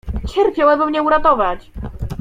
"Cierpiał, aby mnie uratować!"